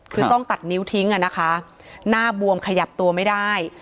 คือต้องตัดนิ้วทิ้งอ่ะนะคะหน้าบวมขยับตัวไม่ได้